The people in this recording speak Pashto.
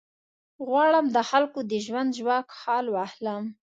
غواړم د خلکو د ژوند ژواک حال واخلم.